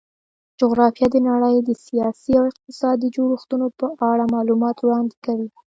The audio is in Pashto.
جغرافیه د نړۍ د سیاسي او اقتصادي جوړښتونو په اړه معلومات وړاندې کوي.